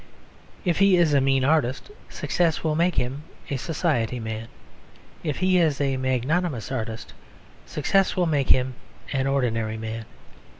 If he is a mean artist success will make him a society man. If he is a magnanimous artist, success will make him an ordinary man.